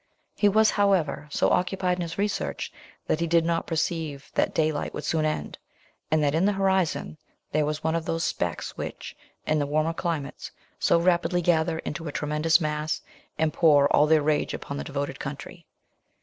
He was, however, so occupied in his research, that he did not perceive that day light would soon end, and that in the horizon there was one of those specks which, in the warmer climates, so rapidly gather into a tremendous mass, and pour all their rage upon the devoted country.